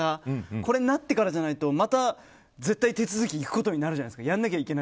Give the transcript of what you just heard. これになってからじゃないと絶対手続きに行くことになるじゃないですか。